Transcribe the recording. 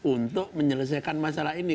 untuk menyelesaikan masalah ini